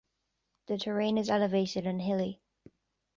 The terrain is elevated and hilly.